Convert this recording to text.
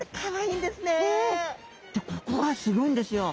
でここがすギョいんですよ。